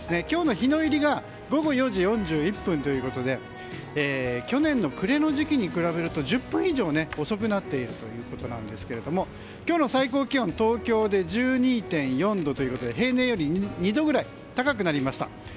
今日の日の入りが午後４時４１分ということで去年の暮れの時期と比べると１０分以上遅くなっているということですが今日の最高気温東京で１２．４度ということで平年より２度くらい高くなりました。